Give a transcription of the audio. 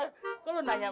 jadi kita bro hans yang